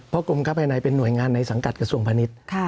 เพราะกรมค้าภายในเป็นหน่วยงานในสังกัดกระทรวงพาณิชย์